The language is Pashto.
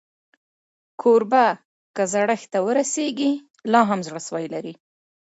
کوربه که زړښت ته ورسېږي، لا هم زړهسوی لري.